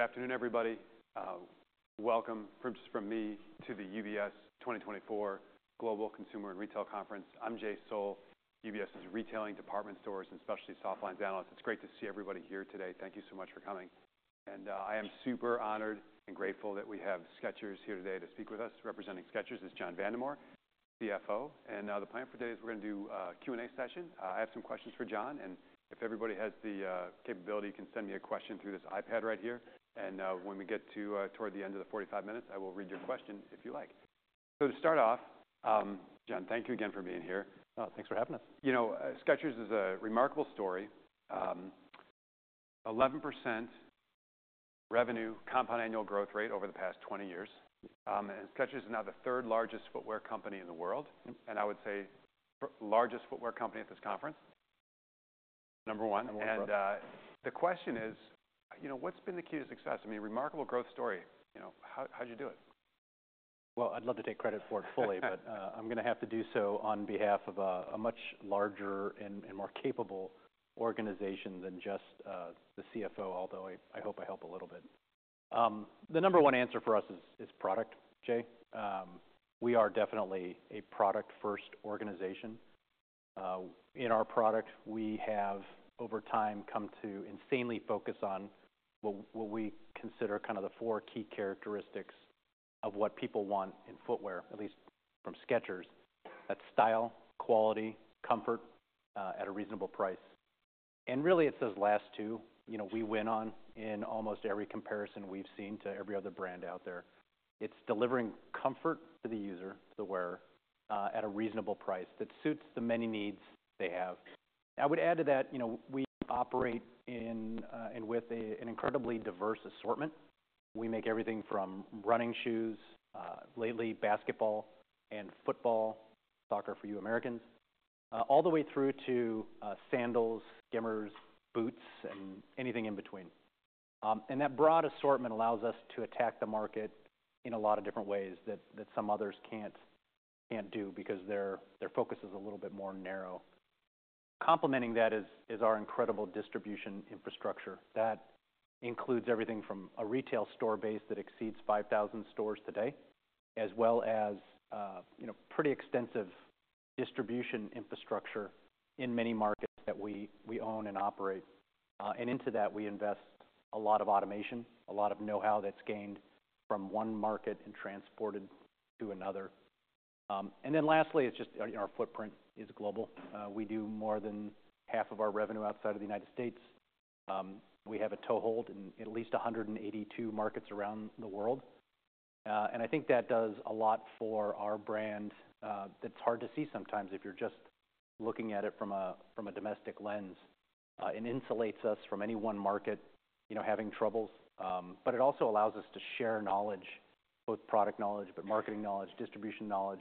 Good afternoon, everybody. Welcome from—from me to the UBS 2024 Global Consumer and Retail Conference. I'm Jay Sole, UBS's Retailing Department Stores and Specialty Softlines Analyst. It's great to see everybody here today. Thank you so much for coming. I am super honored and grateful that we have Skechers here today to speak with us. Representing Skechers is John Vandemore, CFO. The plan for today is we're going to do a Q&A session. I have some questions for John, and if everybody has the capability, you can send me a question through this iPad right here. When we get to, toward the end of the 45 minutes, I will read your question, if you like. So to start off, John, thank you again for being here. Thanks for having us. You know, Skechers is a remarkable story. 11% revenue compound annual growth rate over the past 20 years. Skechers is now the third largest footwear company in the world, and I would say the largest footwear company at this conference. Number one. Number one, yeah. The question is, you know, what's been the key to success? I mean, remarkable growth story. You know, how'd you do it? Well, I'd love to take credit for it fully, but I'm going to have to do so on behalf of a much larger and more capable organization than just the CFO, although I hope I help a little bit. The number one answer for us is product, Jay. We are definitely a product-first organization. In our product, we have, over time, come to insanely focus on what we consider kind of the four key characteristics of what people want in footwear, at least from Skechers. That's style, quality, comfort, at a reasonable price. And really, it's those last two, you know, we win on in almost every comparison we've seen to every other brand out there. It's delivering comfort to the user, to the wearer, at a reasonable price that suits the many needs they have. I would add to that, you know, we operate in, and with a—an incredibly diverse assortment. We make everything from running shoes, lately basketball and football, soccer for you Americans, all the way through to, sandals, slippers, boots, and anything in between. That broad assortment allows us to attack the market in a lot of different ways that—that some others can't—can't do because their—their focus is a little bit more narrow. Complementing that is—is our incredible distribution infrastructure. That includes everything from a retail store base that exceeds 5,000 stores today, as well as, you know, pretty extensive distribution infrastructure in many markets that we—we own and operate. Into that we invest a lot of automation, a lot of know-how that's gained from one market and transported to another. Then lastly, it's just, you know, our footprint is global. We do more than half of our revenue outside of the United States. We have a toehold in at least 182 markets around the world. And I think that does a lot for our brand, that's hard to see sometimes if you're just looking at it from a domestic lens, and insulates us from any one market, you know, having troubles. But it also allows us to share knowledge, both product knowledge but marketing knowledge, distribution knowledge,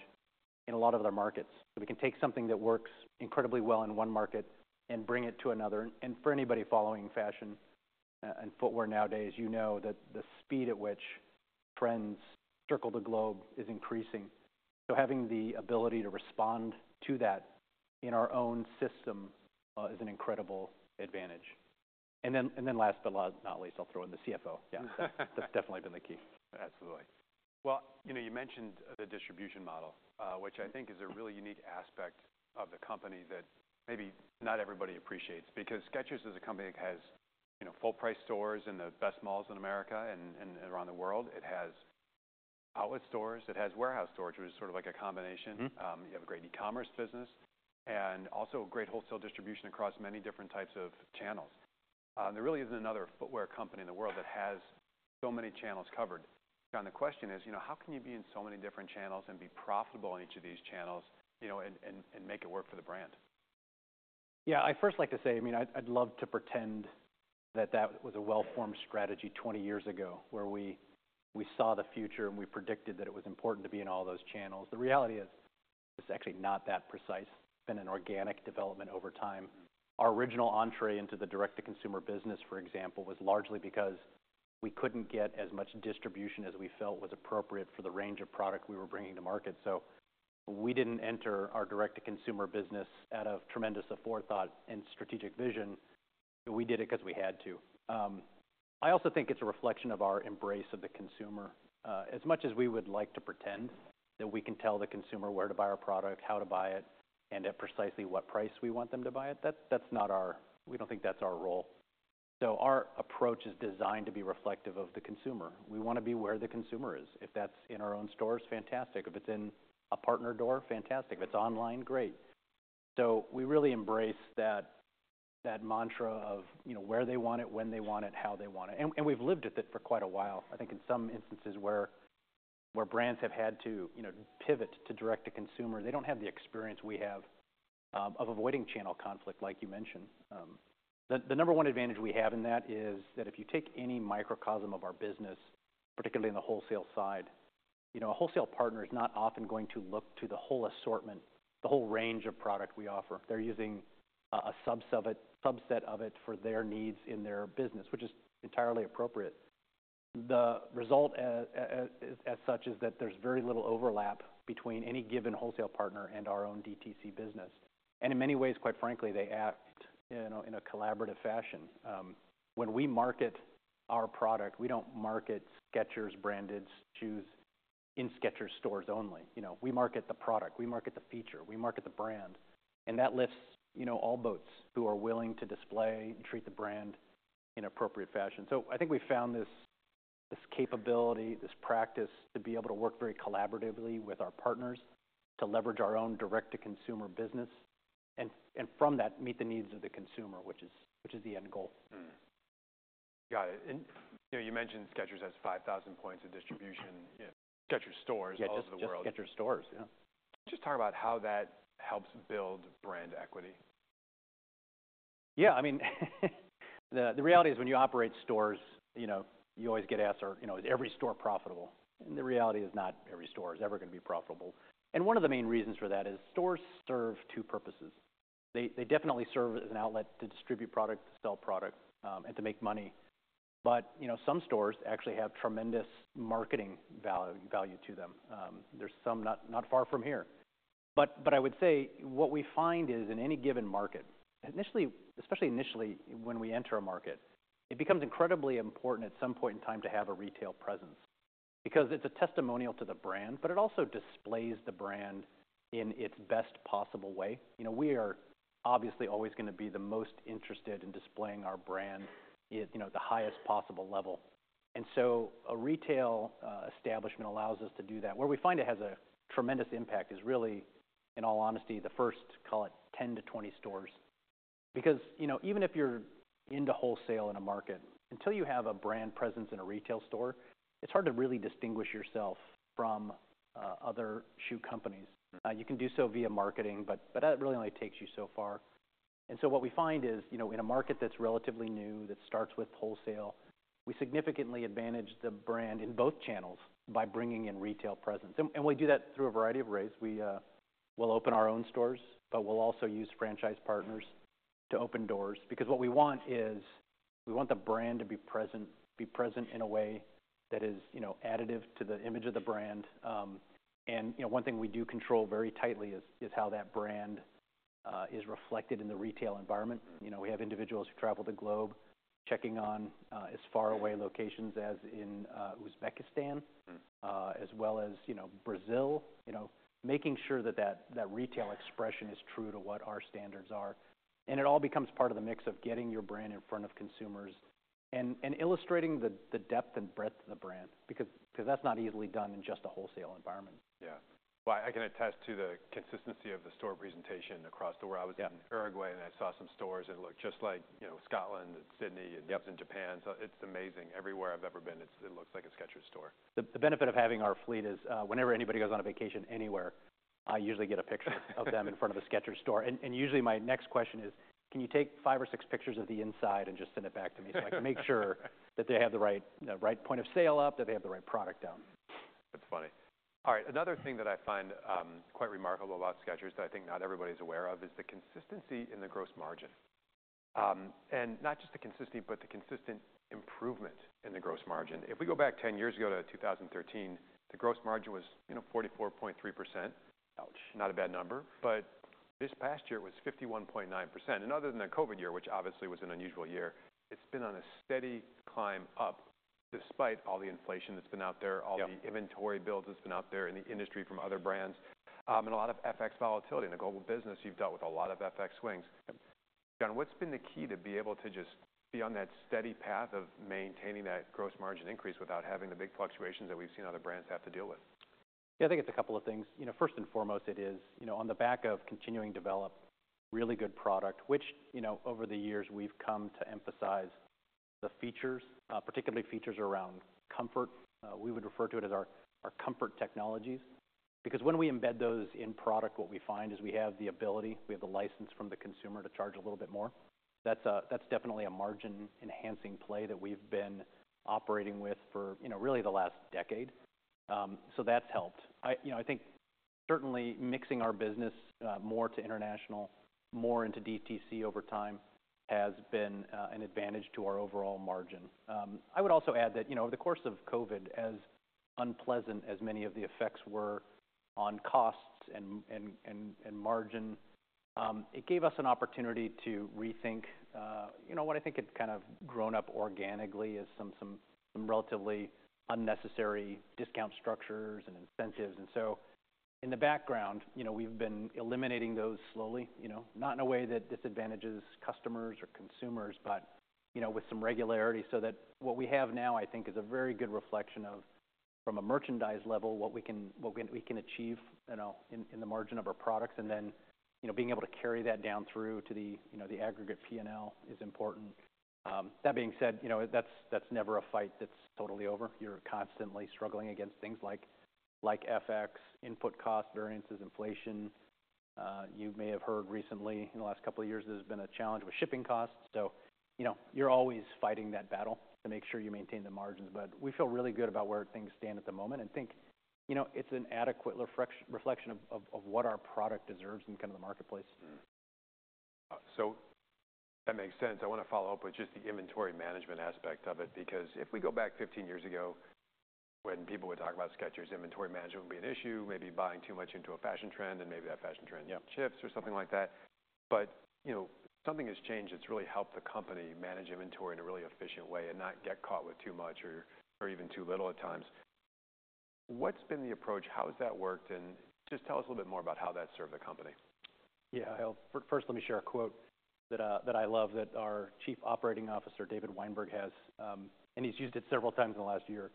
in a lot of other markets. So we can take something that works incredibly well in one market and bring it to another. And for anybody following fashion and footwear nowadays, you know that the speed at which trends circle the globe is increasing. So having the ability to respond to that in our own system is an incredible advantage. And then last but not least, I'll throw in the CFO. Yeah, that's definitely been the key. Absolutely. Well, you know, you mentioned the distribution model, which I think is a really unique aspect of the company that maybe not everybody appreciates. Because Skechers is a company that has, you know, full-price stores in the best malls in America and—and around the world. It has outlet stores. It has warehouse storage, which is sort of like a combination. You have a great e-commerce business and also a great wholesale distribution across many different types of channels. There really isn't another footwear company in the world that has so many channels covered. John, the question is, you know, how can you be in so many different channels and be profitable in each of these channels, you know, and—and—and make it work for the brand? Yeah, I'd first like to say, I mean, I'd love to pretend that that was a well-formed strategy 20 years ago, where we saw the future and we predicted that it was important to be in all those channels. The reality is it's actually not that precise. It's been an organic development over time. Our original entry into the direct-to-consumer business, for example, was largely because we couldn't get as much distribution as we felt was appropriate for the range of product we were bringing to market. So we didn't enter our direct-to-consumer business out of tremendous forethought and strategic vision. We did it because we had to. I also think it's a reflection of our embrace of the consumer. As much as we would like to pretend that we can tell the consumer where to buy our product, how to buy it, and at precisely what price we want them to buy it, that—that's not our—we don't think that's our role. So our approach is designed to be reflective of the consumer. We want to be where the consumer is. If that's in our own stores, fantastic. If it's in a partner door, fantastic. If it's online, great. So we really embrace that—that mantra of, you know, where they want it, when they want it, how they want it. And—and we've lived with it for quite a while, I think, in some instances where—where brands have had to, you know, pivot to direct-to-consumer. They don't have the experience we have, of avoiding channel conflict, like you mentioned. The number one advantage we have in that is that if you take any microcosm of our business, particularly in the wholesale side, you know, a wholesale partner is not often going to look to the whole assortment, the whole range of product we offer. They're using a subset of it for their needs in their business, which is entirely appropriate. The result, as such, is that there's very little overlap between any given wholesale partner and our own DTC business. And in many ways, quite frankly, they act, you know, in a collaborative fashion. When we market our product, we don't market Skechers branded shoes in Skechers stores only. You know, we market the product. We market the feature. We market the brand. And that lifts, you know, all boats who are willing to display and treat the brand in appropriate fashion. So I think we found this capability, this practice to be able to work very collaboratively with our partners, to leverage our own direct-to-consumer business, and from that meet the needs of the consumer, which is the end goal. Got it. And, you know, you mentioned Skechers has 5,000 points of distribution, you know, Skechers stores all over the world. Yes, Skechers stores, yeah. Just talk about how that helps build brand equity. Yeah, I mean, the reality is when you operate stores, you know, you always get asked, or, you know, "Is every store profitable?" And the reality is not every store is ever going to be profitable. And one of the main reasons for that is stores serve two purposes. They definitely serve as an outlet to distribute product, to sell product, and to make money. But, you know, some stores actually have tremendous marketing value to them. There's some not far from here. But I would say what we find is in any given market, initially, especially initially when we enter a market, it becomes incredibly important at some point in time to have a retail presence. Because it's a testimonial to the brand, but it also displays the brand in its best possible way. You know, we are obviously always going to be the most interested in displaying our brand at, you know, the highest possible level. And so a retail establishment allows us to do that. Where we find it has a tremendous impact is really, in all honesty, the first, call it, 10-20 stores. Because, you know, even if you're into wholesale in a market, until you have a brand presence in a retail store, it's hard to really distinguish yourself from other shoe companies. You can do so via marketing, but-but that really only takes you so far. And so what we find is, you know, in a market that's relatively new, that starts with wholesale, we significantly advantage the brand in both channels by bringing in retail presence. And-and we do that through a variety of ways. We'll open our own stores, but we'll also use franchise partners to open doors. Because what we want is we want the brand to be present in a way that is, you know, additive to the image of the brand. You know, one thing we do control very tightly is how that brand is reflected in the retail environment. You know, we have individuals who travel the globe checking on as far away locations as in Uzbekistan, as well as, you know, Brazil. You know, making sure that that retail expression is true to what our standards are. It all becomes part of the mix of getting your brand in front of consumers and illustrating the depth and breadth of the brand. Because that's not easily done in just a wholesale environment. Yeah. Well, I can attest to the consistency of the store presentation across the world. I was in Uruguay, and I saw some stores, and it looked just like, you know, Scotland and Sydney and Japan's. It's amazing. Everywhere I've ever been, it looks like a Skechers store. The benefit of having our fleet is, whenever anybody goes on a vacation anywhere, I usually get a picture of them in front of a Skechers store. And usually my next question is, "Can you take five or six pictures of the inside and just send it back to me so I can make sure that they have the right, right point of sale up, that they have the right product out? That's funny. All right. Another thing that I find quite remarkable about Skechers that I think not everybody is aware of is the consistency in the gross margin, and not just the consistency, but the consistent improvement in the gross margin. If we go back 10 years ago to 2013, the gross margin was, you know, 44.3%. Ouch. Not a bad number. But this past year, it was 51.9%. And other than the COVID year, which obviously was an unusual year, it's been on a steady climb up despite all the inflation that's been out there, all the inventory builds that's been out there in the industry from other brands, and a lot of FX volatility. In a global business, you've dealt with a lot of FX swings. John, what's been the key to be able to just be on that steady path of maintaining that gross margin increase without having the big fluctuations that we've seen other brands have to deal with? Yeah, I think it's a couple of things. You know, first and foremost, it is, you know, on the back of continuing to develop really good product, which, you know, over the years, we've come to emphasize the features, particularly features around comfort. We would refer to it as our-our comfort technologies. Because when we embed those in product, what we find is we have the ability, we have the license from the consumer to charge a little bit more. That's a-that's definitely a margin-enhancing play that we've been operating with for, you know, really the last decade. So that's helped. I, you know, I think certainly mixing our business, more to international, more into DTC over time has been, an advantage to our overall margin. I would also add that, you know, over the course of COVID, as unpleasant as many of the effects were on costs and margin, it gave us an opportunity to rethink, you know, what I think had kind of grown up organically as some relatively unnecessary discount structures and incentives. And so in the background, you know, we've been eliminating those slowly, you know, not in a way that disadvantages customers or consumers, but, you know, with some regularity so that what we have now, I think, is a very good reflection of, from a merchandise level, what we can achieve, you know, in the margin of our products. And then, you know, being able to carry that down through to the, you know, the aggregate P&L is important. That being said, you know, that's never a fight that's totally over. You're constantly struggling against things like FX, input cost variances, inflation. You may have heard recently, in the last couple of years, there's been a challenge with shipping costs. So, you know, you're always fighting that battle to make sure you maintain the margins. But we feel really good about where things stand at the moment and think, you know, it's an adequate reflection of what our product deserves in kind of the marketplace. So that makes sense. I want to follow up with just the inventory management aspect of it. Because if we go back 15 years ago, when people would talk about Skechers, inventory management would be an issue, maybe buying too much into a fashion trend, and maybe that fashion trend shifts or something like that. But, you know, something has changed that's really helped the company manage inventory in a really efficient way and not get caught with too much or even too little at times. What's been the approach? How has that worked? And just tell us a little bit more about how that's served the company. Yeah, I'll first let me share a quote that, that I love that our Chief Operating Officer, David Weinberg, has, and he's used it several times in the last year.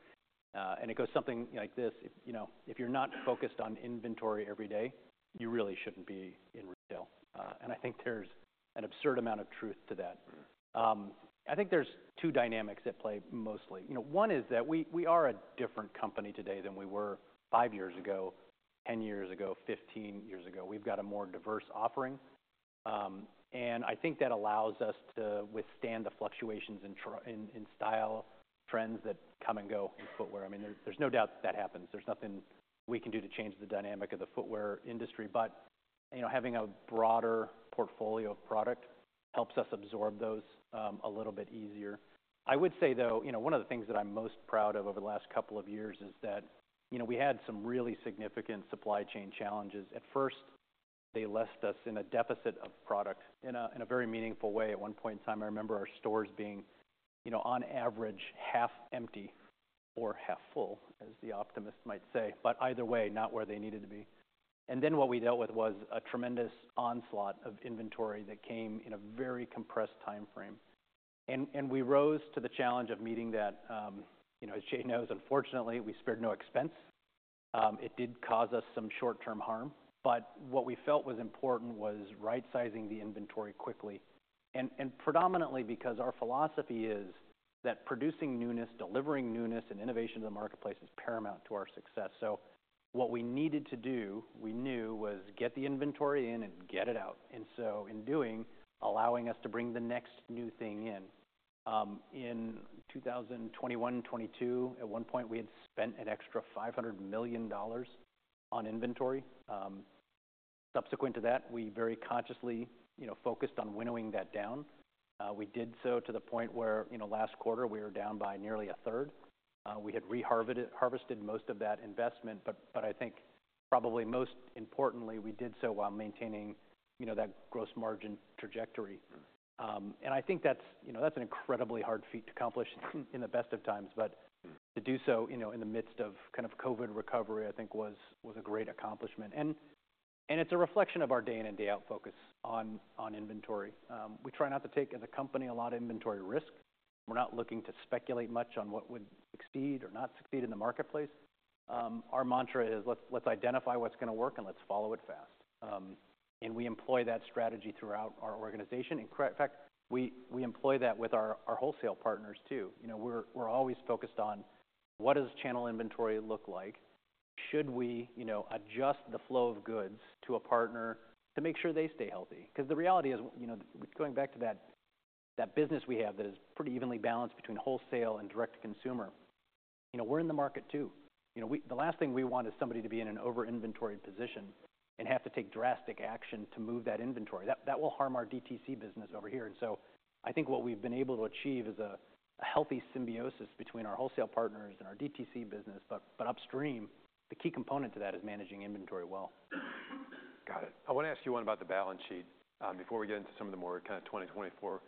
It goes something like this: "If, you know, if you're not focused on inventory every day, you really shouldn't be in retail." I think there's an absurd amount of truth to that. I think there's two dynamics at play mostly. You know, one is that we—we are a different company today than we were five years ago, 10 years ago, 15 years ago. We've got a more diverse offering. I think that allows us to withstand the fluctuations in trends that come and go in footwear. I mean, there's no doubt that happens. There's nothing we can do to change the dynamic of the footwear industry. But, you know, having a broader portfolio of product helps us absorb those a little bit easier. I would say, though, you know, one of the things that I'm most proud of over the last couple of years is that, you know, we had some really significant supply chain challenges. At first, they left us in a deficit of product in a very meaningful way. At one point in time, I remember our stores being, you know, on average half empty or half full, as the optimist might say. But either way, not where they needed to be. And then what we dealt with was a tremendous onslaught of inventory that came in a very compressed time frame. And we rose to the challenge of meeting that, you know, as Jay knows, unfortunately, we spared no expense. It did cause us some short-term harm. But what we felt was important was right-sizing the inventory quickly. And predominantly because our philosophy is that producing newness, delivering newness, and innovation to the marketplace is paramount to our success. So what we needed to do, we knew, was get the inventory in and get it out. And so in doing, allowing us to bring the next new thing in. In 2021, 2022, at one point, we had spent an extra $500 million on inventory. Subsequent to that, we very consciously, you know, focused on winnowing that down. We did so to the point where, you know, last quarter, we were down by nearly a third. We had re-harvested most of that investment. But I think probably most importantly, we did so while maintaining, you know, that gross margin trajectory. I think that's, you know, that's an incredibly hard feat to accomplish in the best of times. But to do so, you know, in the midst of kind of COVID recovery, I think, was a great accomplishment. And it's a reflection of our day-in-and-day-out focus on inventory. We try not to take, as a company, a lot of inventory risk. We're not looking to speculate much on what would succeed or not succeed in the marketplace. Our mantra is, "Let's identify what's going to work, and let's follow it fast." And we employ that strategy throughout our organization. And in fact, we employ that with our wholesale partners, too. You know, we're always focused on, "What does channel inventory look like? Should we, you know, adjust the flow of goods to a partner to make sure they stay healthy?" Because the reality is, you know, going back to that—that business we have that is pretty evenly balanced between wholesale and direct to consumer, you know, we're in the market, too. You know, the last thing we want is somebody to be in an over-inventoried position and have to take drastic action to move that inventory. That—that will harm our DTC business over here. And so I think what we've been able to achieve is a—a healthy symbiosis between our wholesale partners and our DTC business. But—but upstream, the key component to that is managing inventory well. Got it. I want to ask you one about the balance sheet, before we get into some of the more kind of 2024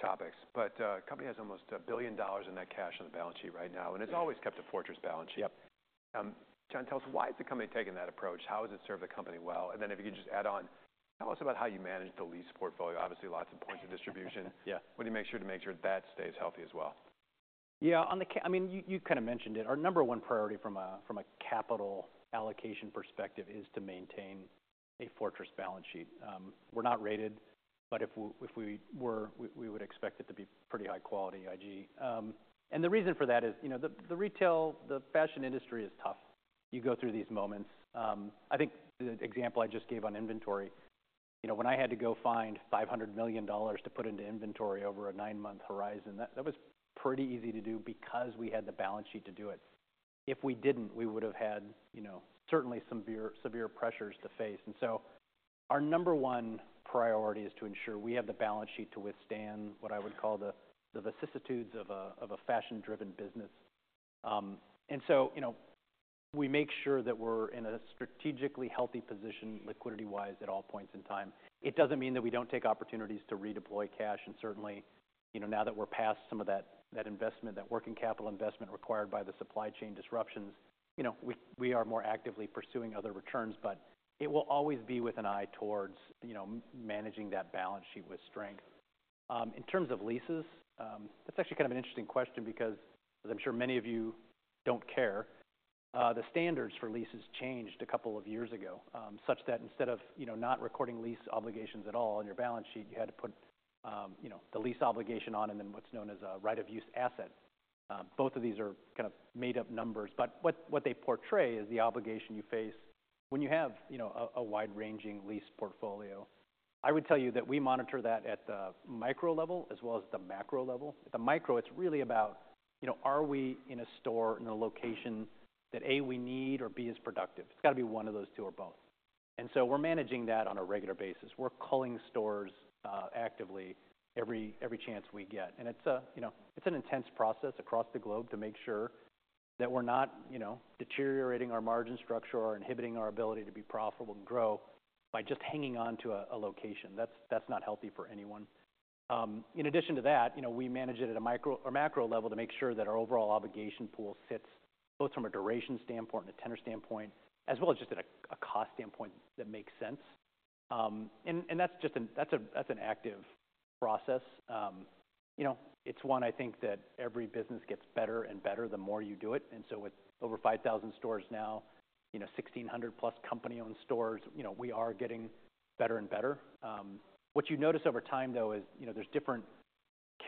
topics. But the company has almost $1 billion in that cash on the balance sheet right now. And it's always kept a fortress balance sheet. Yep. John, tell us, why has the company taken that approach? How has it served the company well? And then if you could just add on, tell us about how you manage the lease portfolio. Obviously, lots of points of distribution. Yeah. What do you make sure that stays healthy as well? Yeah. On the capital, I mean, you kind of mentioned it. Our number one priority from a capital allocation perspective is to maintain a fortress balance sheet. We're not rated. But if we were, we would expect it to be pretty high quality, i.e., and the reason for that is, you know, the retail, the fashion industry is tough. You go through these moments. I think the example I just gave on inventory, you know, when I had to go find $500 million to put into inventory over a nine-month horizon, that was pretty easy to do because we had the balance sheet to do it. If we didn't, we would have had, you know, certainly some very severe pressures to face. So our number one priority is to ensure we have the balance sheet to withstand what I would call the vicissitudes of a fashion-driven business. So, you know, we make sure that we're in a strategically healthy position liquidity-wise at all points in time. It doesn't mean that we don't take opportunities to redeploy cash. Certainly, you know, now that we're past some of that investment, that working capital investment required by the supply chain disruptions, you know, we are more actively pursuing other returns. But it will always be with an eye towards, you know, managing that balance sheet with strength. In terms of leases, that's actually kind of an interesting question. Because, as I'm sure many of you don't care, the standards for leases changed a couple of years ago, such that instead of, you know, not recording lease obligations at all on your balance sheet, you had to put, you know, the lease obligation on and then what's known as a right-of-use asset. Both of these are kind of made-up numbers. But what—what they portray is the obligation you face when you have, you know, a—a wide-ranging lease portfolio. I would tell you that we monitor that at the micro level as well as at the macro level. At the micro, it's really about, you know, are we in a store in a location that, A, we need, or, B, is productive? It's got to be one of those two or both. And so we're managing that on a regular basis. We're calling stores, actively every chance we get. And it's a, you know, it's an intense process across the globe to make sure that we're not, you know, deteriorating our margin structure or inhibiting our ability to be profitable and grow by just hanging on to a location. That's not healthy for anyone. In addition to that, you know, we manage it at a micro or macro level to make sure that our overall obligation pool sits both from a duration standpoint and a tenor standpoint, as well as just at a cost standpoint that makes sense. And that's just an active process. You know, it's one, I think, that every business gets better and better the more you do it. And so with over 5,000 stores now, you know, 1,600-plus company-owned stores, you know, we are getting better and better. What you notice over time, though, is, you know, there's different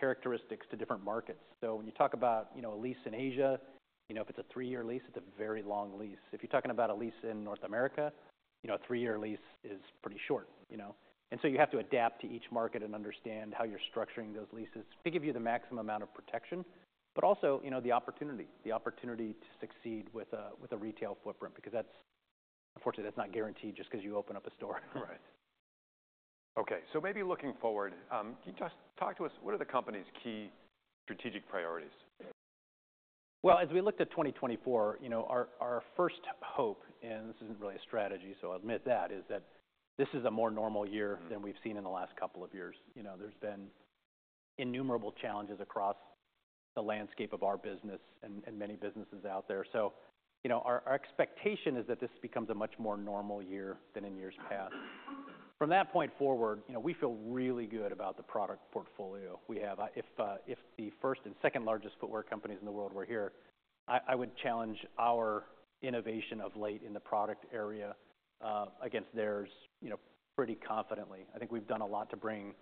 characteristics to different markets. So when you talk about, you know, a lease in Asia, you know, if it's a three year lease, it's a very long lease. If you're talking about a lease in North America, you know, a three year lease is pretty short, you know? And so you have to adapt to each market and understand how you're structuring those leases to give you the maximum amount of protection, but also, you know, the opportunity, the opportunity to succeed with a—with a retail footprint. Because that's, unfortunately, that's not guaranteed just because you open up a store. Right. Okay. So maybe looking forward, can you just talk to us, what are the company's key strategic priorities? Well, as we looked at 2024, you know, our-our first hope-and this isn't really a strategy, so I'll admit that-is that this is a more normal year than we've seen in the last couple of years. You know, there's been innumerable challenges across the landscape of our business and-and many businesses out there. So, you know, our-our expectation is that this becomes a much more normal year than in years past. From that point forward, you know, we feel really good about the product portfolio we have. If, if the first and second largest footwear companies in the world were here, I-I would challenge our innovation of late in the product area, against theirs, you know, pretty confidently. I think we've done a lot to bring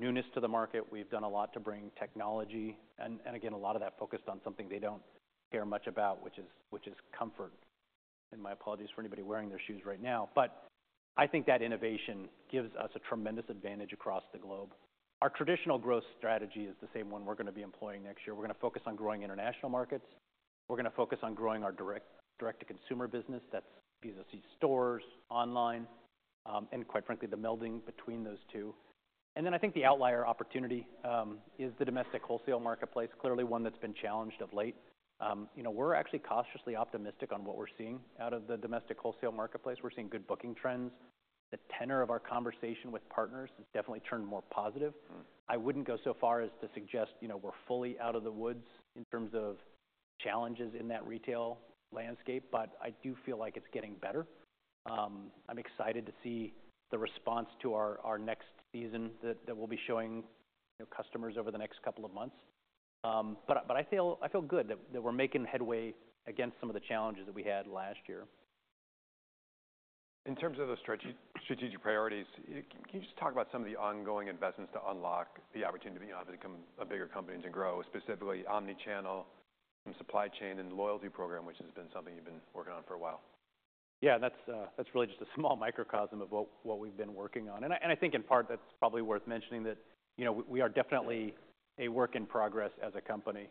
newness to the market. We've done a lot to bring technology. And again, a lot of that focused on something they don't care much about, which is comfort. My apologies for anybody wearing their shoes right now. But I think that innovation gives us a tremendous advantage across the globe. Our traditional growth strategy is the same one we're going to be employing next year. We're going to focus on growing international markets. We're going to focus on growing our direct to consumer business. That's B2C stores, online, and quite frankly, the melding between those two. And then I think the outlier opportunity is the domestic wholesale marketplace, clearly one that's been challenged of late. You know, we're actually cautiously optimistic on what we're seeing out of the domestic wholesale marketplace. We're seeing good booking trends. The tenor of our conversation with partners has definitely turned more positive. I wouldn't go so far as to suggest, you know, we're fully out of the woods in terms of challenges in that retail landscape. But I do feel like it's getting better. I'm excited to see the response to our next season that we'll be showing, you know, customers over the next couple of months. But I feel good that we're making headway against some of the challenges that we had last year. In terms of those strategic priorities, can you just talk about some of the ongoing investments to unlock the opportunity to become a bigger company and to grow, specifically omnichannel, some supply chain, and loyalty program, which has been something you've been working on for a while? Yeah. And that's really just a small microcosm of what we've been working on. And I think in part, that's probably worth mentioning, that, you know, we are definitely a work in progress as a company,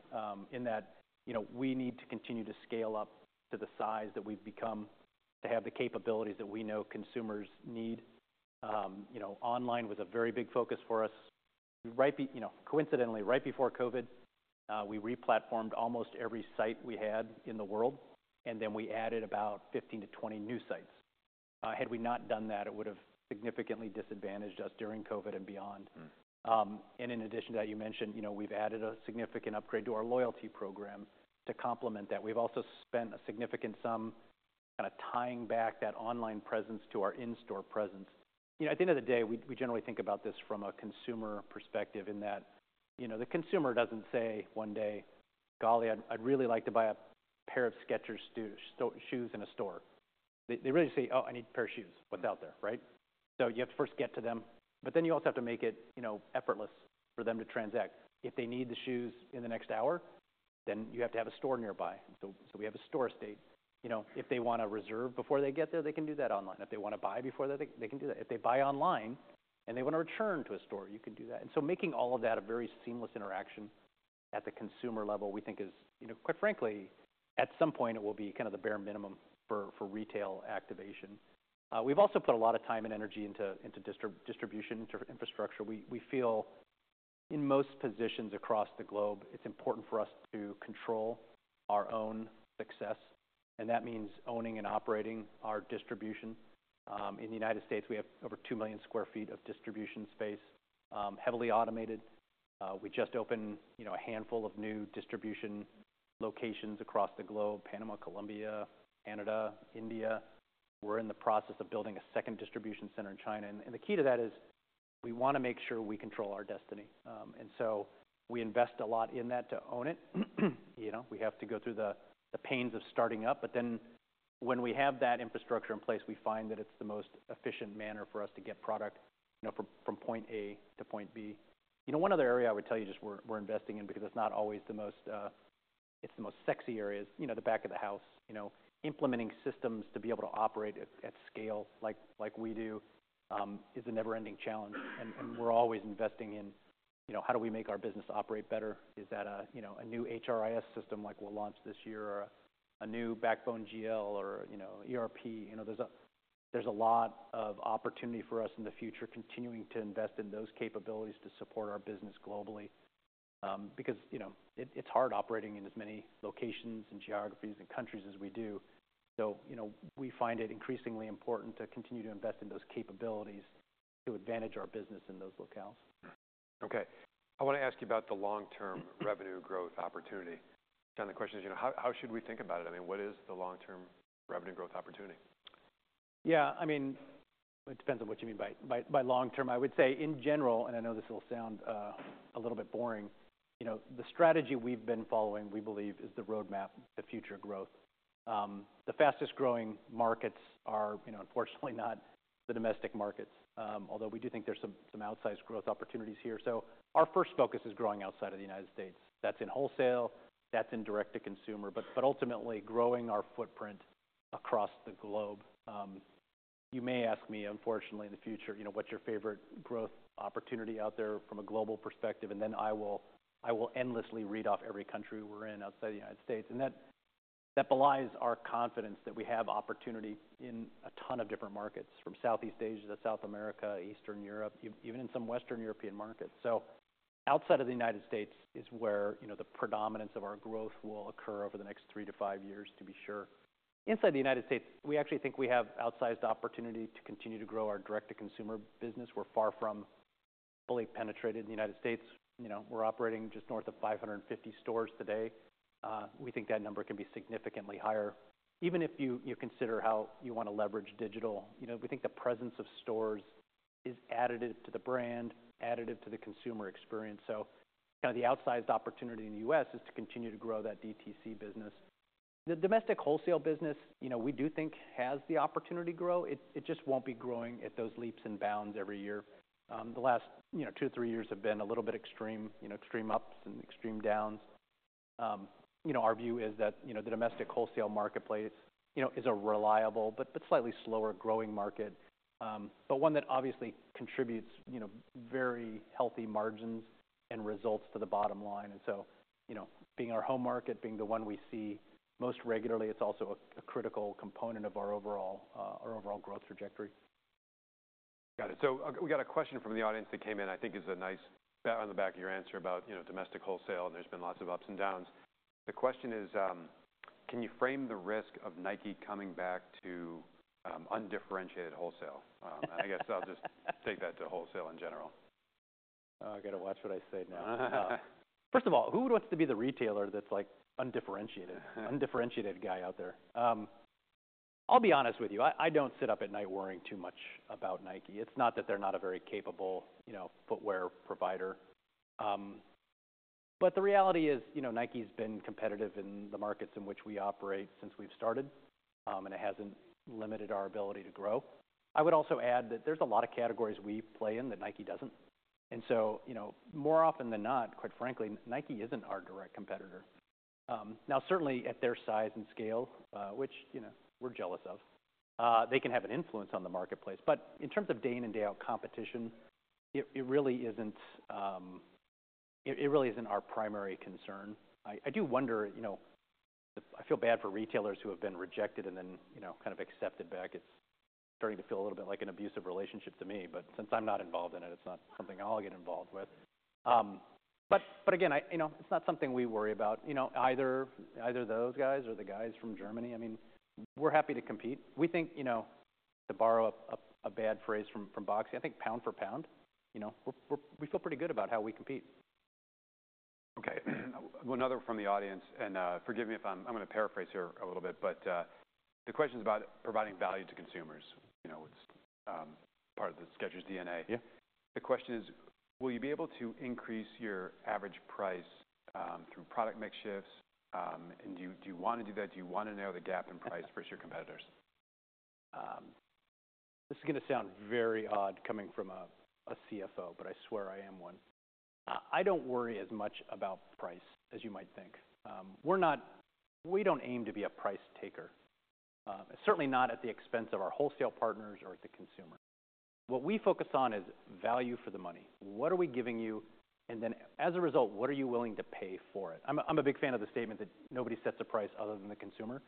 in that, you know, we need to continue to scale up to the size that we've become, to have the capabilities that we know consumers need. You know, online was a very big focus for us. Right? You know, coincidentally, right before COVID, we replatformed almost every site we had in the world. And then we added about 15-20 new sites. Had we not done that, it would have significantly disadvantaged us during COVID and beyond. And in addition to that, you mentioned, you know, we've added a significant upgrade to our loyalty program to complement that. We've also spent a significant sum kind of tying back that online presence to our in-store presence. You know, at the end of the day, we generally think about this from a consumer perspective in that, you know, the consumer doesn't say one day, "Golly, I'd really like to buy a pair of Skechers shoes in a store." They really say, "Oh, I need a pair of shoes. What's out there?" Right? So you have to first get to them. But then you also have to make it, you know, effortless for them to transact. If they need the shoes in the next hour, then you have to have a store nearby. And so we have a store estate. You know, if they want to reserve before they get there, they can do that online. If they want to buy before that, they can do that. If they buy online and they want to return to a store, you can do that. So making all of that a very seamless interaction at the consumer level, we think, is, you know, quite frankly, at some point, it will be kind of the bare minimum for retail activation. We've also put a lot of time and energy into distribution infrastructure. We feel in most positions across the globe, it's important for us to control our own success. And that means owning and operating our distribution. In the United States, we have over 2 million sq ft of distribution space, heavily automated. We just opened, you know, a handful of new distribution locations across the globe: Panama, Colombia, Canada, India. We're in the process of building a second distribution center in China. And the key to that is, we want to make sure we control our destiny. So we invest a lot in that to own it. You know, we have to go through the pains of starting up. But then when we have that infrastructure in place, we find that it's the most efficient manner for us to get product, you know, from point A to point B. You know, one other area I would tell you just we're investing in because it's not always the most, it's the most sexy area is, you know, the back of the house. You know, implementing systems to be able to operate at scale like we do, is a never-ending challenge. We're always investing in, you know, how do we make our business operate better? Is that a, you know, a new HRIS system like we'll launch this year, or a new backbone GL, or, you know, ERP? You know, there's a lot of opportunity for us in the future continuing to invest in those capabilities to support our business globally, because, you know, it's hard operating in as many locations and geographies and countries as we do. So, you know, we find it increasingly important to continue to invest in those capabilities to advantage our business in those locales. Okay. I want to ask you about the long-term revenue growth opportunity. John, the question is, you know, how should we think about it? I mean, what is the long-term revenue growth opportunity? Yeah. I mean, it depends on what you mean by long-term. I would say, in general, and I know this will sound a little bit boring, you know, the strategy we've been following, we believe, is the roadmap to future growth. The fastest growing markets are, you know, unfortunately, not the domestic markets, although we do think there's some outsized growth opportunities here. So our first focus is growing outside of the United States. That's in wholesale. That's in direct to consumer. But ultimately, growing our footprint across the globe. You may ask me, unfortunately, in the future, you know, what's your favorite growth opportunity out there from a global perspective. And then I will endlessly read off every country we're in outside of the United States. That belies our confidence that we have opportunity in a ton of different markets, from Southeast Asia to South America, Eastern Europe, even in some Western European markets. Outside of the United States is where, you know, the predominance of our growth will occur over the next three to five years, to be sure. Inside the United States, we actually think we have outsized opportunity to continue to grow our direct to consumer business. We're far from fully penetrated in the United States. You know, we're operating just north of 550 stores today. We think that number can be significantly higher, even if you consider how you want to leverage digital. You know, we think the presence of stores is additive to the brand, additive to the consumer experience. Kind of the outsized opportunity in the U.S. is to continue to grow that DTC business. The domestic wholesale business, you know, we do think has the opportunity to grow. It just won't be growing at those leaps and bounds every year. The last, you know, two to three years have been a little bit extreme, you know, extreme ups and extreme downs. You know, our view is that, you know, the domestic wholesale marketplace, you know, is a reliable but slightly slower growing market, but one that obviously contributes, you know, very healthy margins and results to the bottom line. And so, you know, being our home market, being the one we see most regularly, it's also a critical component of our overall growth trajectory. Got it. So we got a question from the audience that came in, I think, is a nice pat on the back of your answer about, you know, domestic wholesale. And there's been lots of ups and downs. The question is, can you frame the risk of Nike coming back to undifferentiated wholesale? And I guess I'll just take that to wholesale in general. Oh, I got to watch what I say now. First of all, who wants to be the retailer that's, like, undifferentiated guy out there? I'll be honest with you. I don't sit up at night worrying too much about Nike. It's not that they're not a very capable, you know, footwear provider. But the reality is, you know, Nike's been competitive in the markets in which we operate since we've started, and it hasn't limited our ability to grow. I would also add that there's a lot of categories we play in that Nike doesn't. And so, you know, more often than not, quite frankly, Nike isn't our direct competitor. Now, certainly, at their size and scale, which, you know, we're jealous of, they can have an influence on the marketplace. But in terms of day-in and day-out competition, it really isn't our primary concern. I do wonder, you know, I feel bad for retailers who have been rejected and then, you know, kind of accepted back. It's starting to feel a little bit like an abusive relationship to me. But since I'm not involved in it, it's not something I'll get involved with. But again, I, you know, it's not something we worry about, you know, either those guys or the guys from Germany. I mean, we're happy to compete. We think, you know, to borrow a bad phrase from Boxy, I think pound for pound, you know, we feel pretty good about how we compete. Okay. Another from the audience. Forgive me if I'm going to paraphrase here a little bit. But, the question is about providing value to consumers. You know, it's part of the Skechers DNA. Yeah. The question is, will you be able to increase your average price through product mix shifts? And do you, do you want to do that? Do you want to narrow the gap in price versus your competitors? This is going to sound very odd coming from a CFO, but I swear I am one. I don't worry as much about price as you might think. We don't aim to be a price taker, certainly not at the expense of our wholesale partners or at the consumer. What we focus on is value for the money. What are we giving you? And then as a result, what are you willing to pay for it? I'm a big fan of the statement that nobody sets a price other than the consumer.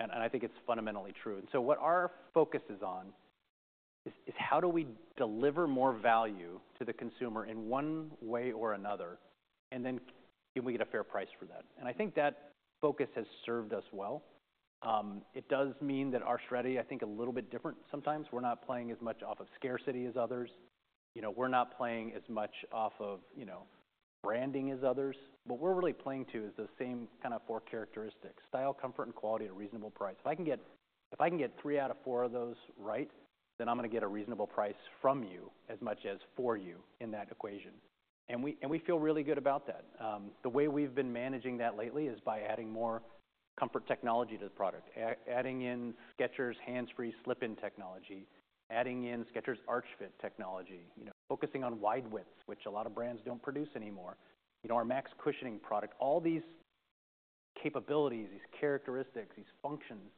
And I think it's fundamentally true. And so what our focus is on is how do we deliver more value to the consumer in one way or another, and then can we get a fair price for that? And I think that focus has served us well. It does mean that our strategy, I think, is a little bit different sometimes. We're not playing as much off of scarcity as others. You know, we're not playing as much off of, you know, branding as others. What we're really playing to is those same kind of four characteristics: style, comfort, and quality at a reasonable price. If I can get—if I can get three out of four of those right, then I'm going to get a reasonable price from you as much as for you in that equation. And we—and we feel really good about that. The way we've been managing that lately is by adding more comfort technology to the product, adding in Skechers Hands-Free Slip-ins technology, adding in Skechers Arch Fit technology, you know, focusing on wide widths, which a lot of brands don't produce anymore, you know, our Max Cushioning product. All these capabilities, these characteristics, these functions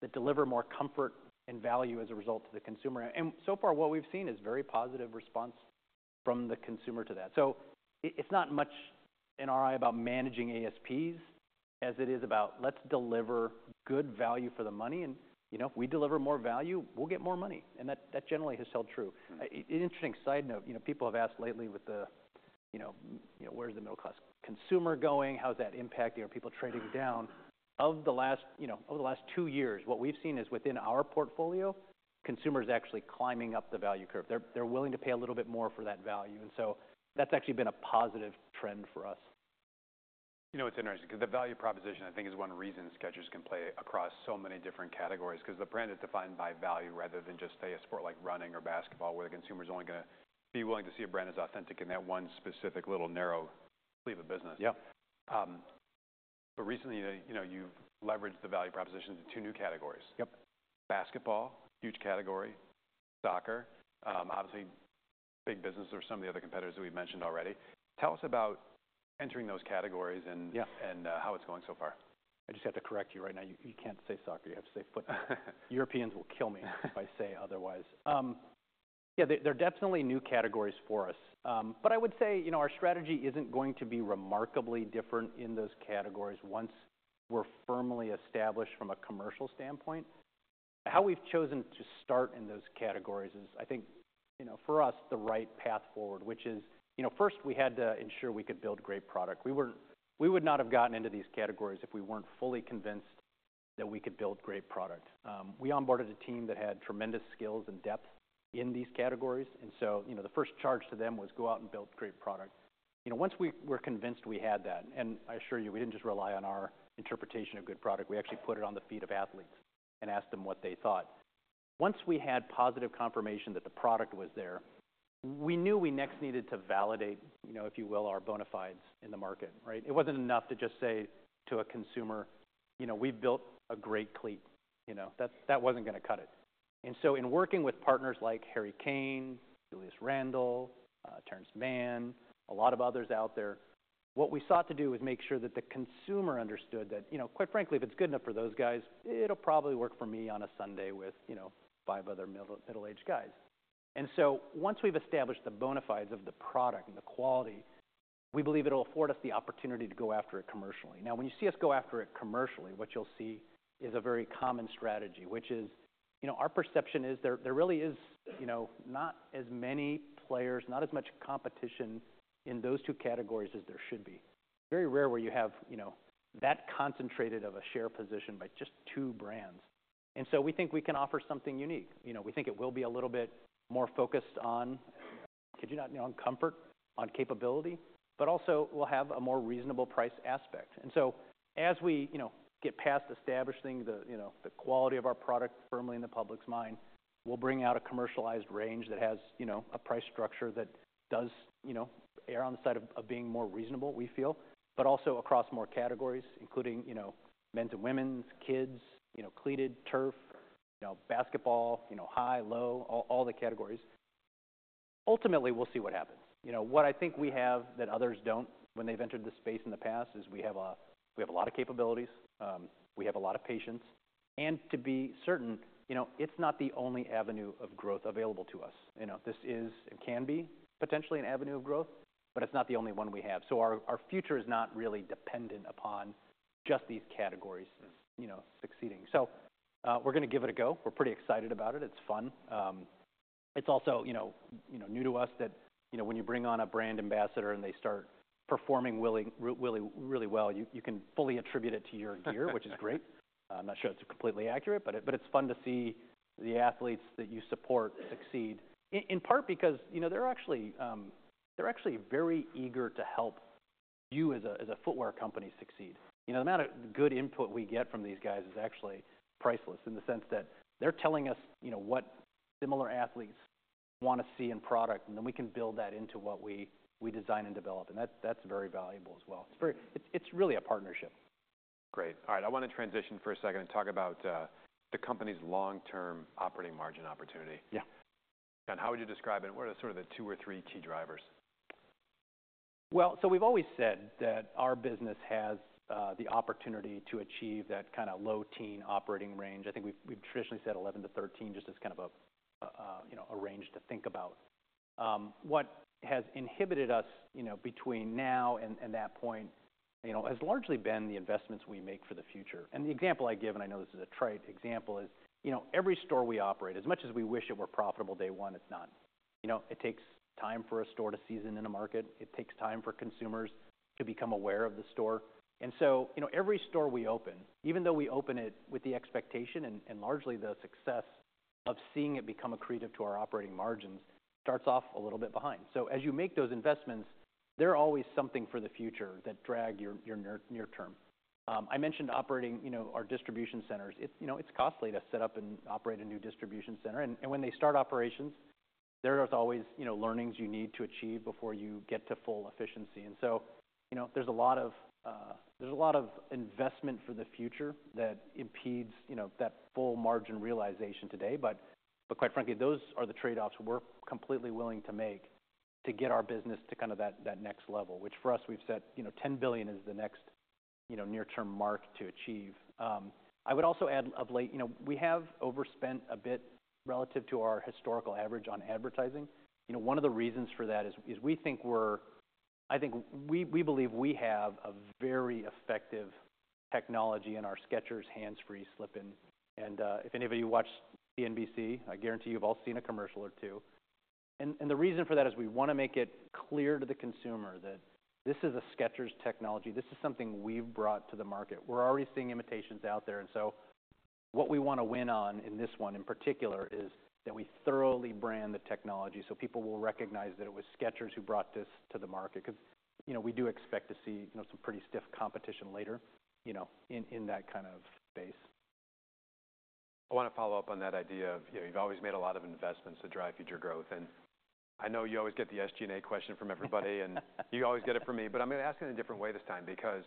that deliver more comfort and value as a result to the consumer. And so far, what we've seen is very positive response from the consumer to that. So it's not much in our eye about managing ASPs as it is about, "Let's deliver good value for the money. And, you know, if we deliver more value, we'll get more money." And that generally has held true. An interesting side note, you know, people have asked lately with the, you know, you know, where's the middle-class consumer going? How's that impacting? Are people trading down? Of the last, you know, over the last two years, what we've seen is within our portfolio, consumers are actually climbing up the value curve. They're willing to pay a little bit more for that value. And so that's actually been a positive trend for us. You know, it's interesting because the value proposition, I think, is one reason Skechers can play across so many different categories because the brand is defined by value rather than just, say, a sport like running or basketball, where the consumer's only going to be willing to see a brand as authentic in that one specific little narrow sleeve of business. Yeah. But recently, you know, you've leveraged the value proposition to two new categories. Yep. Basketball, huge category. Soccer, obviously big business for some of the other competitors that we've mentioned already. Tell us about entering those categories and. Yeah. And how it's going so far. I just have to correct you right now. You—you can't say soccer. You have to say football. Europeans will kill me if I say otherwise. Yeah, they're—they're definitely new categories for us. But I would say, you know, our strategy isn't going to be remarkably different in those categories once we're firmly established from a commercial standpoint. How we've chosen to start in those categories is, I think, you know, for us, the right path forward, which is, you know, first, we had to ensure we could build great product. We weren't—we would not have gotten into these categories if we weren't fully convinced that we could build great product. We onboarded a team that had tremendous skills and depth in these categories. And so, you know, the first charge to them was, "Go out and build great product." You know, once we—we're convinced we had that. I assure you, we didn't just rely on our interpretation of good product. We actually put it on the feet of athletes and asked them what they thought. Once we had positive confirmation that the product was there, we knew we next needed to validate, you know, if you will, our bona fides in the market, right? It wasn't enough to just say to a consumer, "You know, we've built a great cleat." You know, that—that wasn't going to cut it. And so in working with partners like Harry Kane, Julius Randle, Terance Mann, a lot of others out there, what we sought to do was make sure that the consumer understood that, you know, quite frankly, if it's good enough for those guys, it'll probably work for me on a Sunday with, you know, five other middle-aged guys. And so once we've established the bona fides of the product and the quality, we believe it'll afford us the opportunity to go after it commercially. Now, when you see us go after it commercially, what you'll see is a very common strategy, which is, you know, our perception is there really is, you know, not as many players, not as much competition in those two categories as there should be. It's very rare where you have, you know, that concentrated of a share position by just two brands. And so we think we can offer something unique. You know, we think it will be a little bit more focused on, could you not, you know, on comfort, on capability, but also we'll have a more reasonable price aspect. And so as we, you know, get past establishing the, you know, the quality of our product firmly in the public's mind, we'll bring out a commercialized range that has, you know, a price structure that does, you know, err on the side of being more reasonable, we feel, but also across more categories, including, you know, men's and women's, kids, you know, cleated, turf, you know, basketball, you know, high, low, all the categories. Ultimately, we'll see what happens. You know, what I think we have that others don't when they've entered the space in the past is we have a lot of capabilities. We have a lot of patience. And to be certain, you know, it's not the only avenue of growth available to us. You know, this is and can be potentially an avenue of growth, but it's not the only one we have. So our future is not really dependent upon just these categories, you know, succeeding. So, we're going to give it a go. We're pretty excited about it. It's fun. It's also, you know, you know, new to us that, you know, when you bring on a brand ambassador and they start performing really well, you can fully attribute it to your gear, which is great. I'm not sure it's completely accurate, but it's fun to see the athletes that you support succeed, in part because, you know, they're actually, they're actually very eager to help you as a footwear company succeed. You know, the amount of good input we get from these guys is actually priceless in the sense that they're telling us, you know, what similar athletes want to see in product, and then we can build that into what we design and develop. And that's very valuable as well. It's very—it's really a partnership. Great. All right. I want to transition for a second and talk about the company's long-term operating margin opportunity. Yeah. John, how would you describe it? What are sort of the two or three key drivers? Well, so we've always said that our business has the opportunity to achieve that kind of low-teens operating range. I think we've traditionally said 11%-13% just as kind of a, you know, a range to think about. What has inhibited us, you know, between now and that point, you know, has largely been the investments we make for the future. And the example I give, and I know this is a trite example, is, you know, every store we operate, as much as we wish it were profitable day one, it's not. You know, it takes time for a store to season in a market. It takes time for consumers to become aware of the store. And so, you know, every store we open, even though we open it with the expectation and largely the success of seeing it become accretive to our operating margins, starts off a little bit behind. So as you make those investments, there are always something for the future that drag your near-term. I mentioned operating, you know, our distribution centers. It's, you know, costly to set up and operate a new distribution center. And when they start operations, there are always, you know, learnings you need to achieve before you get to full efficiency. And so, you know, there's a lot of investment for the future that impedes, you know, that full margin realization today. But quite frankly, those are the trade-offs we're completely willing to make to get our business to kind of that next level, which for us, we've set, you know, $10 billion is the next, you know, near-term mark to achieve. I would also add of late, you know, we have overspent a bit relative to our historical average on advertising. You know, one of the reasons for that is we think we believe we have a very effective technology in our Skechers Hands Free Slip-ins. And, if anybody watched CNBC, I guarantee you've all seen a commercial or two. And the reason for that is we want to make it clear to the consumer that this is a Skechers technology. This is something we've brought to the market. We're already seeing imitations out there. What we want to win on in this one in particular is that we thoroughly brand the technology so people will recognize that it was Skechers who brought this to the market because, you know, we do expect to see, you know, some pretty stiff competition later, you know, in that kind of space. I want to follow up on that idea of, you know, you've always made a lot of investments to drive future growth. I know you always get the SG&A question from everybody, and you always get it from me. But I'm going to ask it in a different way this time because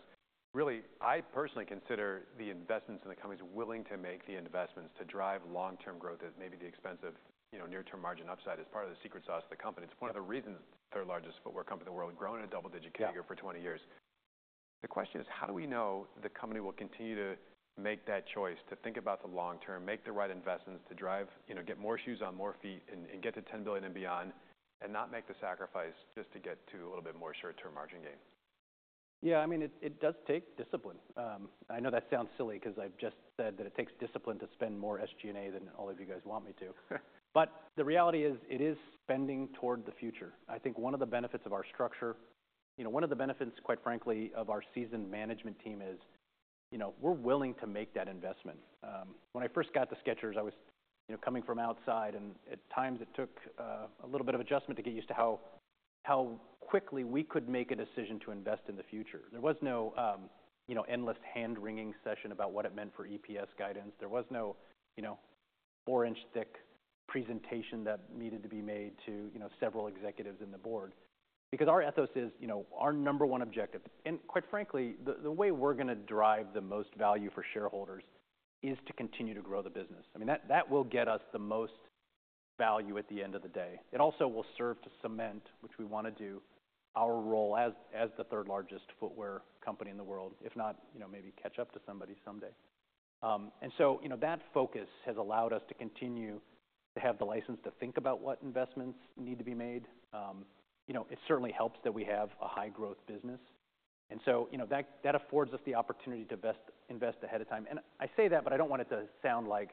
really, I personally consider the investments in the company as willing to make the investments to drive long-term growth at maybe the expense of, you know, near-term margin upside as part of the secret sauce of the company. It's one of the reasons it's the third largest footwear company in the world, growing at a double-digit figure for 20 years. The question is, how do we know the company will continue to make that choice to think about the long term, make the right investments to drive, you know, get more shoes on more feet and get to $10 billion and beyond, and not make the sacrifice just to get to a little bit more short-term margin gain? Yeah. I mean, it does take discipline. I know that sounds silly because I've just said that it takes discipline to spend more SG&A than all of you guys want me to. But the reality is, it is spending toward the future. I think one of the benefits of our structure, you know, one of the benefits, quite frankly, of our seasoned management team is, you know, we're willing to make that investment. When I first got to Skechers, I was, you know, coming from outside. And at times, it took a little bit of adjustment to get used to how quickly we could make a decision to invest in the future. There was no, you know, endless hand-wringing session about what it meant for EPS guidance. There was no, you know, four-inch-thick presentation that needed to be made to, you know, several executives in the board because our ethos is, you know, our number one objective. And quite frankly, the way we're going to drive the most value for shareholders is to continue to grow the business. I mean, that will get us the most value at the end of the day. It also will serve to cement, which we want to do, our role as the third largest footwear company in the world, if not, you know, maybe catch up to somebody someday. And so, you know, that focus has allowed us to continue to have the license to think about what investments need to be made. You know, it certainly helps that we have a high-growth business. And so, you know, that affords us the opportunity to invest ahead of time. And I say that, but I don't want it to sound like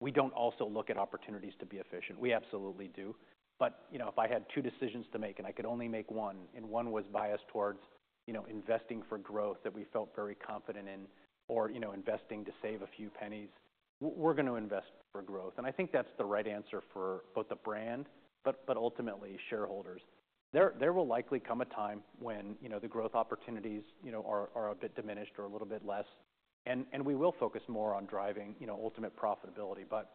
we don't also look at opportunities to be efficient. We absolutely do. But, you know, if I had two decisions to make, and I could only make one, and one was biased towards, you know, investing for growth that we felt very confident in or, you know, investing to save a few pennies, we're going to invest for growth. And I think that's the right answer for both the brand but ultimately shareholders. There will likely come a time when, you know, the growth opportunities, you know, are a bit diminished or a little bit less. And we will focus more on driving, you know, ultimate profitability. But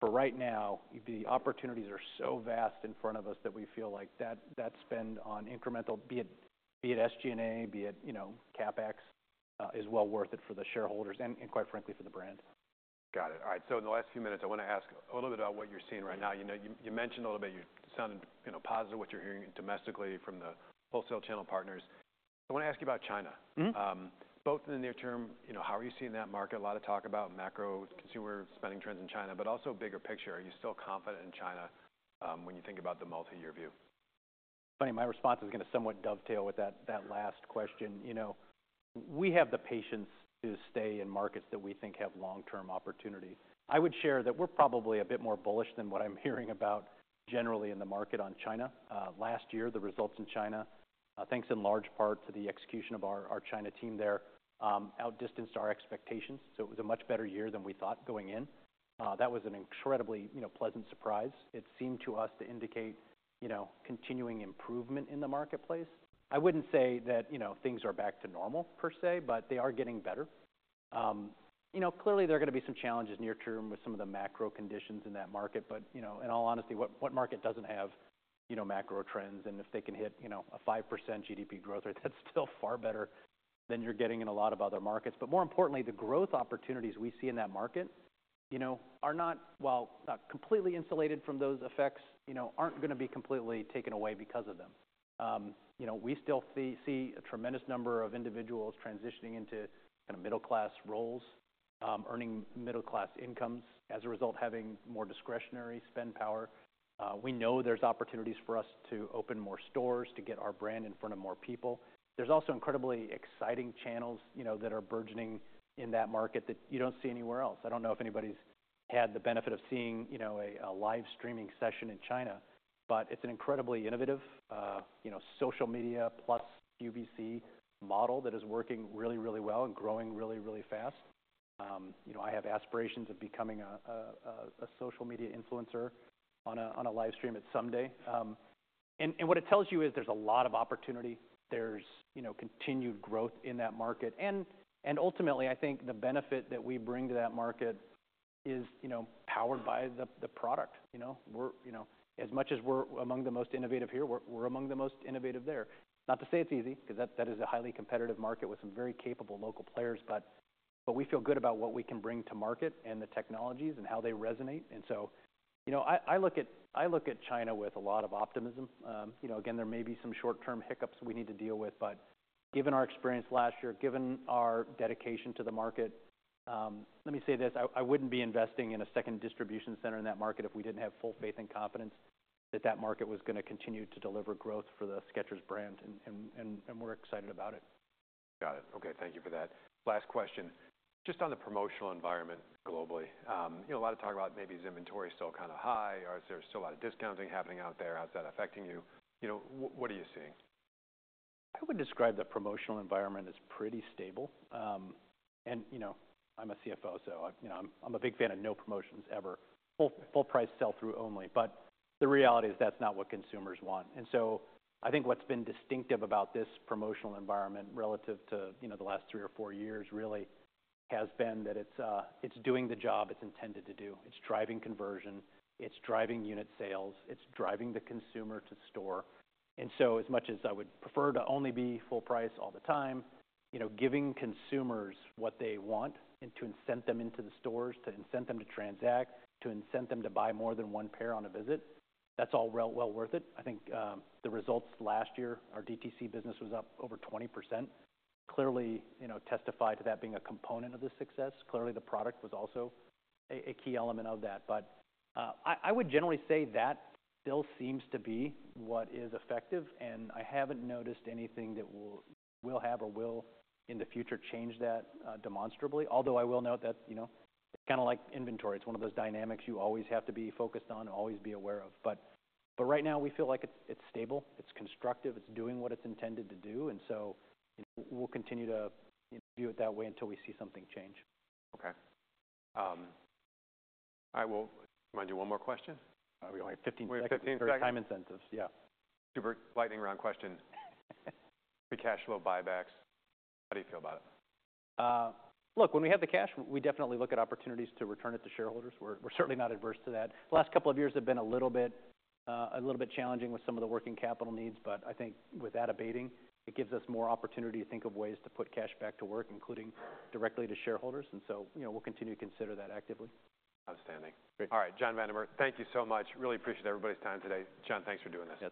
for right now, the opportunities are so vast in front of us that we feel like that spend on incremental, be it SG&A, be it, you know, CapEx, is well worth it for the shareholders and quite frankly, for the brand. Got it. All right. So in the last few minutes, I want to ask a little bit about what you're seeing right now. You know, you—mentioned a little bit. You sounded, you know, positive what you're hearing domestically from the wholesale channel partners. I want to ask you about China. Mm-hmm. both in the near term, you know, how are you seeing that market? A lot of talk about macro consumer spending trends in China, but also bigger picture. Are you still confident in China, when you think about the multiyear view? Funny, my response is going to somewhat dovetail with that—that last question. You know, we have the patience to stay in markets that we think have long-term opportunity. I would share that we're probably a bit more bullish than what I'm hearing about generally in the market on China. Last year, the results in China, thanks in large part to the execution of our—our China team there, outdistanced our expectations. So it was a much better year than we thought going in. That was an incredibly, you know, pleasant surprise. It seemed to us to indicate, you know, continuing improvement in the marketplace. I wouldn't say that, you know, things are back to normal per se, but they are getting better. You know, clearly, there are going to be some challenges near term with some of the macro conditions in that market. But, you know, in all honesty, what market doesn't have, you know, macro trends? And if they can hit, you know, a 5% GDP growth rate, that's still far better than you're getting in a lot of other markets. But more importantly, the growth opportunities we see in that market, you know, are not, well, not completely insulated from those effects, you know, aren't going to be completely taken away because of them. You know, we still see a tremendous number of individuals transitioning into kind of middle-class roles, earning middle-class incomes as a result, having more discretionary spending power. We know there's opportunities for us to open more stores, to get our brand in front of more people. There's also incredibly exciting channels, you know, that are burgeoning in that market that you don't see anywhere else. I don't know if anybody's had the benefit of seeing, you know, a live streaming session in China, but it's an incredibly innovative, you know, social media plus QVC model that is working really, really well and growing really, really fast. You know, I have aspirations of becoming a social media influencer on a live stream someday. What it tells you is there's a lot of opportunity. There's, you know, continued growth in that market. Ultimately, I think the benefit that we bring to that market is, you know, powered by the product. You know, we're, you know, as much as we're among the most innovative here, we're among the most innovative there. Not to say it's easy because that is a highly competitive market with some very capable local players. But we feel good about what we can bring to market and the technologies and how they resonate. And so, you know, I look at China with a lot of optimism. You know, again, there may be some short-term hiccups we need to deal with. But given our experience last year, given our dedication to the market, let me say this. I wouldn't be investing in a second distribution center in that market if we didn't have full faith and confidence that that market was going to continue to deliver growth for the Skechers brand. And we're excited about it. Got it. Okay. Thank you for that. Last question. Just on the promotional environment globally, you know, a lot of talk about maybe is inventory still kind of high? Or is there still a lot of discounting happening out there? How's that affecting you? You know, what—what are you seeing? I would describe the promotional environment as pretty stable. You know, I'm a CFO, so I, you know, I'm-I'm a big fan of no promotions ever, full-full-price sell-through only. But the reality is that's not what consumers want. And so I think what's been distinctive about this promotional environment relative to, you know, the last three or four years really has been that it's, it's doing the job it's intended to do. It's driving conversion. It's driving unit sales. It's driving the consumer to store. And so as much as I would prefer to only be full-price all the time, you know, giving consumers what they want and to incent them into the stores, to incent them to transact, to incent them to buy more than one pair on a visit, that's all well-well worth it. I think the results last year, our DTC business was up over 20%. Clearly, you know, testify to that being a component of the success. Clearly, the product was also a key element of that. But, I would generally say that still seems to be what is effective. And I haven't noticed anything that will have or will in the future change that, demonstrably. Although I will note that, you know, it's kind of like inventory. It's one of those dynamics you always have to be focused on, always be aware of. But right now, we feel like it's stable. It's constructive. It's doing what it's intended to do. And so, you know, we'll continue to, you know, view it that way until we see something change. Okay. All right. Well, mind you, one more question. Are we only at 15 seconds? We're at 15 seconds. For your time incentives. Yeah. Super lightning round question. Free cash flow buybacks. How do you feel about it? Look, when we have the cash, we definitely look at opportunities to return it to shareholders. We're certainly not adverse to that. The last couple of years have been a little bit challenging with some of the working capital needs. But I think without abating, it gives us more opportunity to think of ways to put cash back to work, including directly to shareholders. And so, you know, we'll continue to consider that actively. Outstanding. All right. John Vandemore, thank you so much. Really appreciate everybody's time today. John, thanks for doing this.